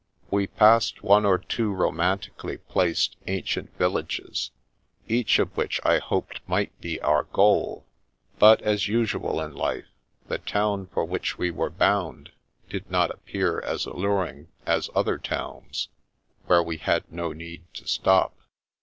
We passed one or two romantically placed, ancient villages, each of which I hoped might be our goal ; but, as usual in life, the town for which we were bound did not appear as al luring as other towns, where we had no need to stop.